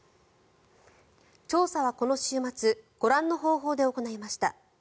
調査はこの週末、ご覧の方法で行いました。